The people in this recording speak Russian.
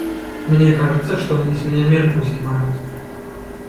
Мне кажется, что они с меня мерку снимают.